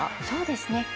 そうですね